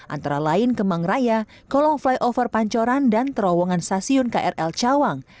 antara lain kemang raya kolong flyover pancoran dan terowongan stasiun krl cawang